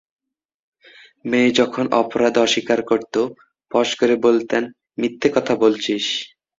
মেয়ে যখন অপরাধ অস্বীকার করত, ফস করে বলতেন, মিথ্যে কথা বলছিস।